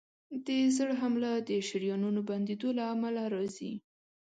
د زړه حمله د شریانونو بندېدو له امله راځي.